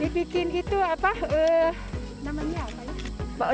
dibikin itu apa namanya apa ya